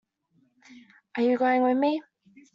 are you going with me?